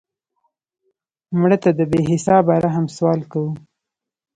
مړه ته د بې حسابه رحم سوال کوو